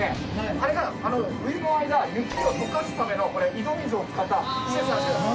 あれが冬の間雪をとかすための井戸水を使った施設なんですよ。